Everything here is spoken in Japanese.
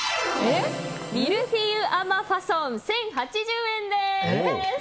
ミルフイユアマファソン１０８０円です。